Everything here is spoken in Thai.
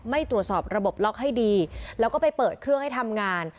ไม่ตรวจสอบระบบล็อกให้ดีแล้วก็ไปเปิดเครื่องให้ทำงาน